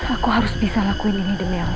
aku harus bisa lakuin ini demi allah